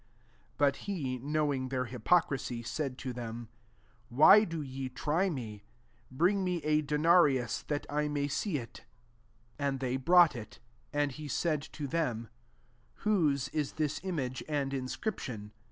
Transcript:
15 But he, knowing their hypocrisy, said to them Why do ye try me ? bring me a de narius, that I may see ir." 16 MARK XII. n And they brought it : and he said to them, " Whose ie this image and inscription